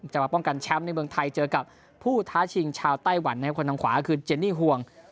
มาป้องกันแชมป์ในเมืองไทยเจอกับผู้ท้าชิงชาวไต้หวันนะครับคนทางขวาก็คือเจนี่ห่วง